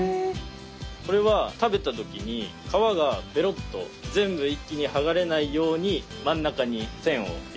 これは食べた時に皮がベロッと全部一気にはがれないように真ん中に線を入れてます。